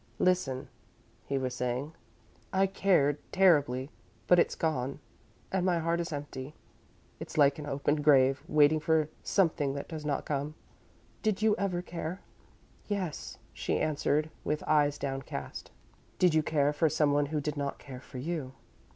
"Listen," he was saying. "I cared terribly, but it's gone, and my heart is empty. It's like an open grave, waiting for something that does not come. Did you ever care?" "Yes," she answered, with eyes downcast. "Did you care for someone who did not care for you?"